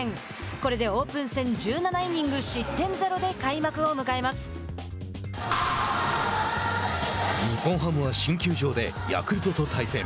これでオープン戦１７イニング失点ゼロで日本ハムは新球場でヤクルトと対戦。